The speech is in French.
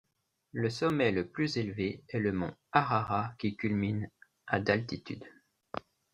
Le sommet le plus élevé est le mont Ararat qui culmine à d'altitude.